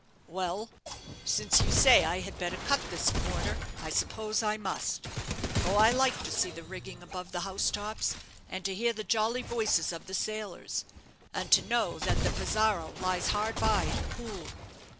"Well, since you say I had better cut this quarter, I suppose I must; though I like to see the rigging above the housetops, and to hear the jolly voices of the sailors, and to know that the 'Pizarro' lies hard by in the Pool.